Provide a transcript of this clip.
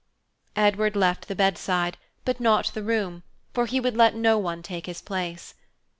Edward left the bedside but not the room, for he would let no one take his place.